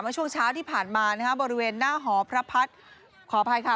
ช่วงเช้าที่ผ่านมานะคะบริเวณหน้าหอพระพัฒน์ขออภัยค่ะ